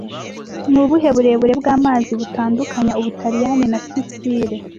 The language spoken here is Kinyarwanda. Ni ubuhe burebure bw'amazi butandukanya Ubutaliyani na Sicile